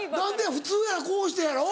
普通やろこうしてやろ？